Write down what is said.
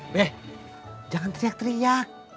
beh jangan teriak teriak